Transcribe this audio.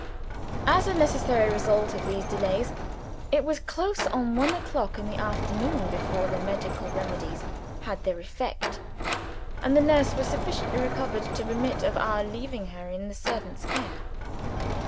As a necessary result of these delays, it was close on one o'clock in the afternoon before the medical remedies had their effect, and the nurse was sufficiently recovered to permit of our leaving her in the servant's care.